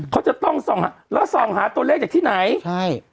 เขาจะต้องส่องหาแล้วส่องหาตัวเลขจากที่ไหนใช่